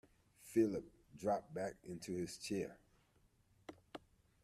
Philip dropped back into his chair.